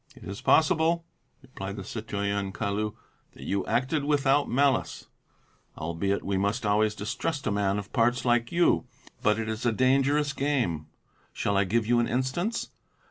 "It is possible," replied the citoyen Caillou, "that you acted without malice, albeit we must always distrust a man of parts like you. But it is a dangerous game. Shall I give you an instance?